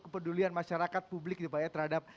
kepedulian masyarakat publik terhadap